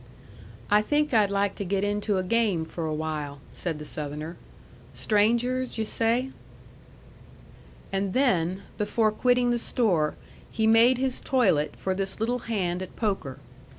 "I think I'd like to get into a game for a while," said the Southerner. "Strangers, yu' say?" And then, before quitting the store, he made his toilet for this little hand at poker.